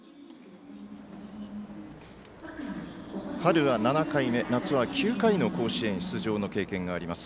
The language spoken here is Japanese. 春は７回目、夏は９回の甲子園出場の経験があります。